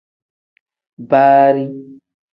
Baari.